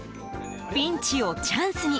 ピンチをチャンスに！